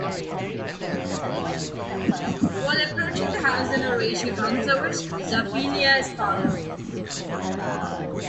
While approaching the house in a rage he runs over Zoophilia's father.